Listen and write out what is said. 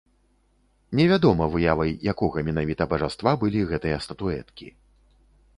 Невядома, выявай якога менавіта бажаства былі гэтыя статуэткі.